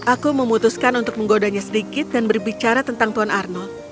aku memutuskan untuk menggodanya sedikit dan berbicara tentang tuan arnold